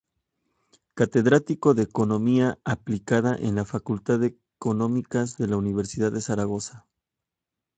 Catedrático de Economía Aplicada en la facultad de Económicas de la Universidad de Zaragoza.